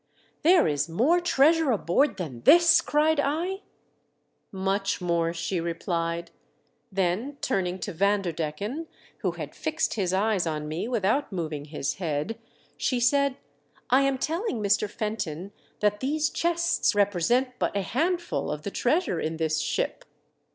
"There is more treasure aboard than this:" cried I. " Much more !" she replied. Then turning to Vanderdecken, who had fixed his eyes on me without moving his head, she said, *' I am telling Mr. Fenton that these chests represent but a handful of the treasure in this ship."